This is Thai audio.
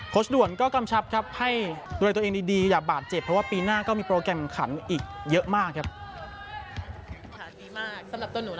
โคชด่วนก็กำชับครับให้ดูแลตัวเองดีอย่าบาดเจ็บ